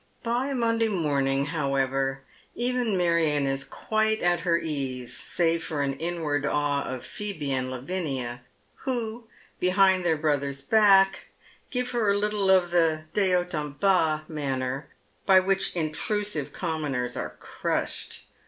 By Monday morning, however, even Marion is quite at her ease, save for an inward awe of Pliool^ and Lavinia who, behind their brother's back, give her a little of the de liaut en 6as manner by which intrusive commoners are crushed.